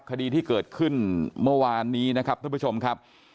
คดีที่เกิดขึ้นเมื่อวานนี้นะครับท่านผู้ชมครับ